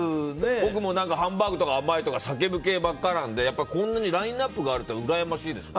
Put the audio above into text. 僕もハンバーグとか甘ーいとか叫ぶ系ばっかりなんでこんなにラインアップがあるとうらやましいです。